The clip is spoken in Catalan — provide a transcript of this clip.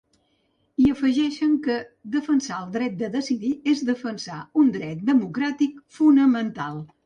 I afegeixen que defensar el dret de decidir és defensar un dret democràtic fonamental.